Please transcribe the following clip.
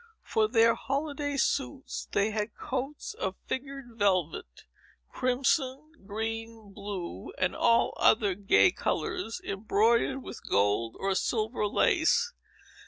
"For their holiday suits, they had coats of figured velvet, crimson, green, blue, and all other gay colors, embroidered with gold or silver lace.